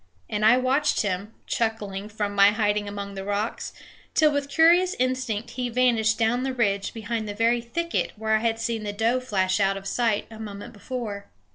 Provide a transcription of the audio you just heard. And I watched him, chuckling, from my hiding among the rocks, till with curious instinct he vanished down the ridge behind the very thicket where I had seen the doe flash out of sight a moment before.